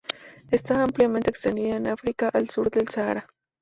Está ampliamente extendida en África al sur del Sahara.